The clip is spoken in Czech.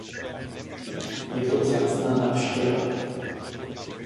Je to vzácná návštěva.